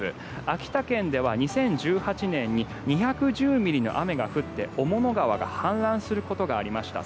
秋田県では２０１８年に２１０ミリの雨が降って雄物川が氾濫することがありました。